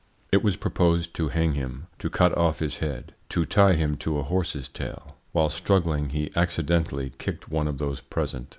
It was proposed to hang him, to cut off his head, to tie him to a horse's tail. While struggling, he accidently kicked one of those present.